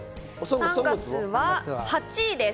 ３月は８位です。